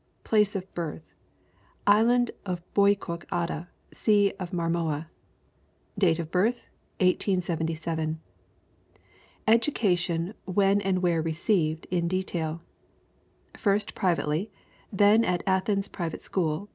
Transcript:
Place of birth: Island of Bouyouk Ada, Sea of Marmora. Date of birth: 1877. Education, when and where received, in detail: First privately. Then at Athens Private School.